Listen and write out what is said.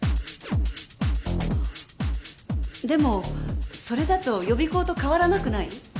でもそれだと予備校と変わらなくない？